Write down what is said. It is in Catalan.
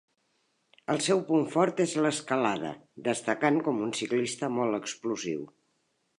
El seu punt fort és l'escalada, destacant com un ciclista molt explosiu.